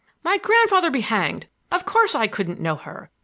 "My grandfather be hanged! Of course I couldn't know her!